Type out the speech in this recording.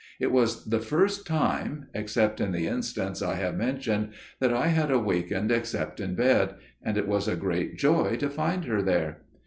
It was the first time, except in the instance I have mentioned, that I had awakened except in bed, and it was a great joy to find her there.